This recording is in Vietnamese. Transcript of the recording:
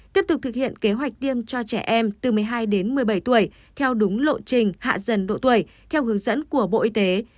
tiếp tục thực hiện kế hoạch tiêm cho trẻ em từ một mươi hai đến một mươi bảy tuổi theo đúng lộ trình hạ dần độ tuổi theo hướng dẫn của bộ y tế